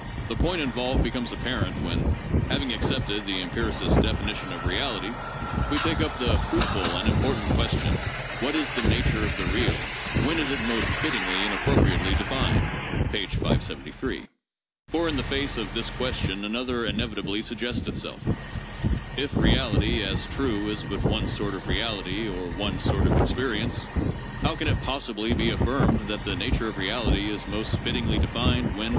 The point involved becomes apparent when, having accepted the empiricist's definition of reality, we take up the 'fruitful and im portant question, what is the nature of the real, when is it most fittingly and appropriately defined?' (p. 573). For in the face of this question another inevitably suggests itself: 'If reality as true is but one sort of reality, or one sort of experience, how can it pos sibly be affirmed that the nature of reality is most fittingly defined when